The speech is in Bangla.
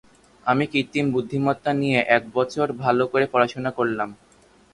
আমি কৃত্রিম বুদ্ধিমত্তা নিয়ে একবছর ভালো করে পড়াশোনা করলাম।